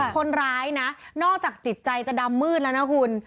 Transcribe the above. คนร้ายนะนอกจากจิตใจจะดำมืดแล้วนะคุณ